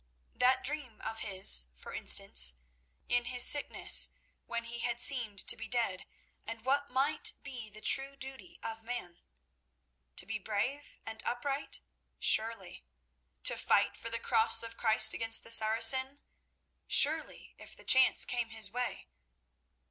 That dream of his, for instance, in his sickness, when he had seemed to be dead, and what might be the true duty of man. To be brave and upright? Surely. To fight for the Cross of Christ against the Saracen? Surely, if the chance came his way.